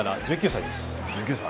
１９歳です。